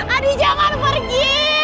adi jangan pergi